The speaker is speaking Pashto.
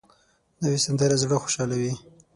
نوې سندره زړه خوشحالوي